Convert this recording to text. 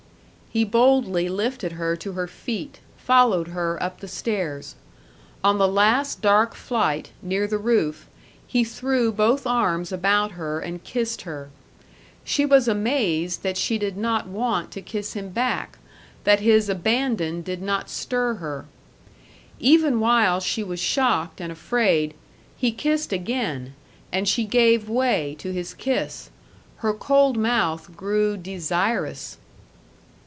He boldly lifted her to her feet, followed her up the stairs. On the last dark flight, near the roof, he threw both arms about her and kissed her. She was amazed that she did not want to kiss him back, that his abandon did not stir her. Even while she was shocked and afraid, he kissed again, and she gave way to his kiss; her cold mouth grew desirous.